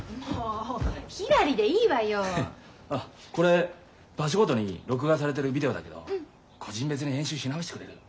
あこれ場所ごとに録画されてるビデオだけど個人別に編集し直してくれる？